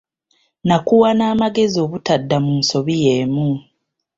Nakuwa n’amagezi obutadda mu nsobi yeemu.